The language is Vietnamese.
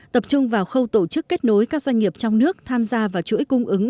tập trung vào khâu tổ chức kết nối các doanh nghiệp trong nước tham gia vào chuỗi cung ứng